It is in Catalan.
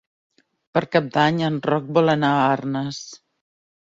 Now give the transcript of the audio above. Per Cap d'Any en Roc vol anar a Arnes.